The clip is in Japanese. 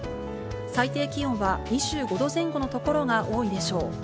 最低気温は２５度前後の所が多いでしょう。